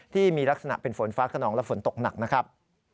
ที่มีลักษณะเป็นฝนฟ้าขนองและฝนตกหนักนะครับ